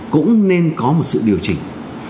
cũng nên có một sự điều chỉnh